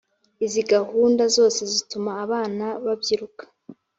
izi gahunda zose zituma abana babyiruka